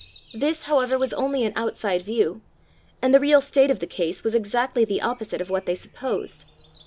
This, however, was only an outside view, and the real state of the case was exactly the opposite of what they supposed.